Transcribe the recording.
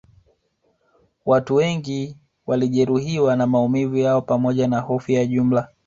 Watu wengi walijeruhiwa na maumivu yao pamoja na hofu ya jumla